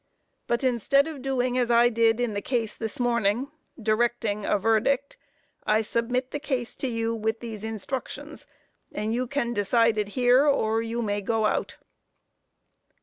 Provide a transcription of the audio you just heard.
But, instead of doing as I did in the case this morning directing a verdict I submit the case to you with these instructions, and you can decide it here, or you may go out.